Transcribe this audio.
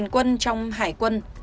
hai mươi quân trong hải quân